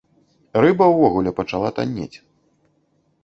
Рыба ўвогуле пачала таннець.